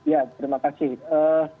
ya terima kasih